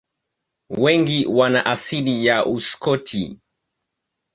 Wengi wana asili ya Uskoti.